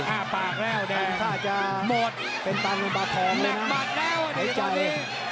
อ้าปากแล้วแดงทำท่าจะหมดเป็นตังค์บาทองเลยนะแบบบัดแล้วอ่ะทีนี้ตอนนี้